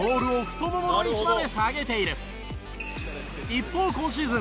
一方今シーズン。